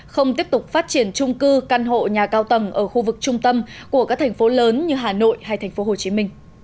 không tiếp tục phát triển trung cư căn hộ nhà cao tầng ở khu vực trung tâm của các thành phố lớn như hà nội hay tp hcm